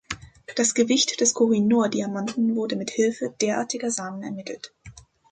Das Gewicht des Koh-i-noor-Diamanten wurde mit Hilfe derartiger Samen ermittelt.